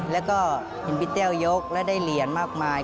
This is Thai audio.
แล้วก็เห็นพี่แต้วยกและได้เหรียญมากมาย